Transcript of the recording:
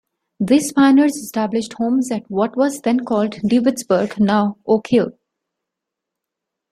These pioneers established homes at what was then called DeWittsburg, now Oak Hill.